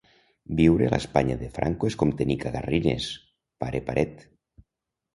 Viure a l'Espanya de Franco és com tenir cagarrines, pare paret.